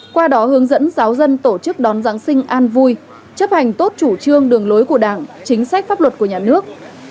qua đó hướng dẫn giáo dân tổ chức đón giáng sinh an vui chấp hành tốt chủ trương đường lối của đảng chính sách pháp luật của nhà nước